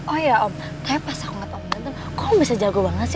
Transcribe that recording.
oh iya om kay pas aku lihat om itu kok om bisa jago banget sih